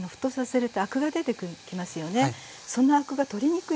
そのアクが取りにくいんですよ。